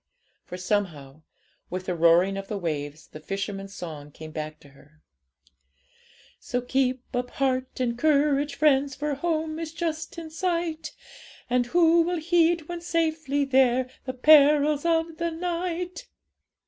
For, somehow, with the roaring of the waves the fishermen's song came back to her 'So keep up heart and courage, friends! For home is just in sight; And who will heed, when safely there, The perils of the night?'